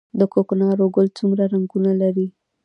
کوکنارو ګل څومره رنګونه لري؟